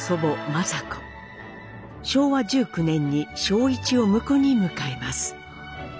昭和１９年に正一を婿に迎えます。